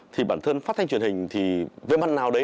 thì bản thân phát thanh truyền hình thì về mặt nào đấy